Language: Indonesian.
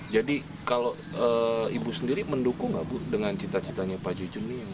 jadi kalau ibu sendiri mendukung nggak bu dengan cita citanya pak jujun